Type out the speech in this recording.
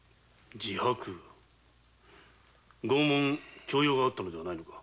自白拷問強要があったのではないか？